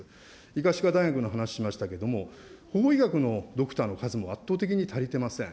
医科歯科大学の話しましたけども、法医学のドクターの数も圧倒的に足りてません。